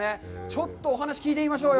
ちょっとお話を聞いてみましょう。